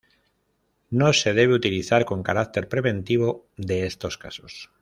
No se debe utilizar con carácter preventivo de estos casos.